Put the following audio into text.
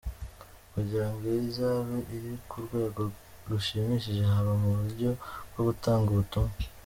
kugira ngo izabe iri ku rwego rushimije haba mu buryo bwo gutanga ubutumwa.